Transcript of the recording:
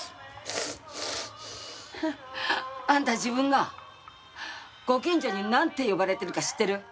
あんた自分がご近所になんて呼ばれてるか知ってる？